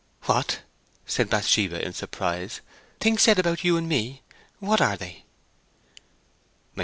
"What?" said Bathsheba, in surprise. "Things said about you and me! What are they?"